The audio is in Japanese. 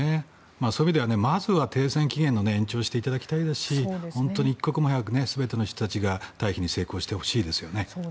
そういう意味ではまずは停戦期限を延長していただきたいですし一刻も早く全ての人たちが退避に成功してほしいですね。